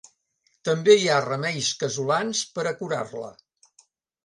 També hi ha remeis casolans per a "curar-la".